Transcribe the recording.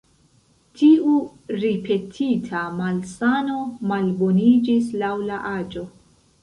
Tiu ripetita malsano malboniĝis laŭ la aĝo.